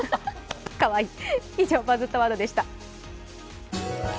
かわいい！